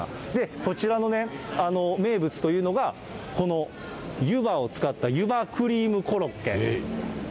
こちらのね、名物というのが、この湯葉を使った湯葉クリームコロッケ。